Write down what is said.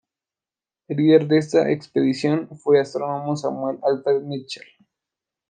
El líder de esta expedición fue el astrónomo Samuel Alfred Mitchell.